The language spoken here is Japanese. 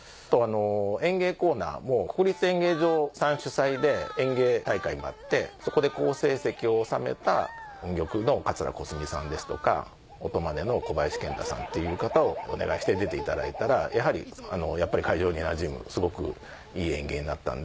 演芸コーナーも国立演芸場さん主催で演芸大会があってそこで好成績を収めた音曲の桂小すみさんですとか音マネのこばやしけん太さんっていう方をお願いして出ていただいたらやはり会場になじむすごくいい演芸になったんで。